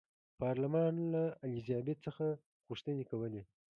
پارلمان له الیزابت څخه غوښتنې کولې.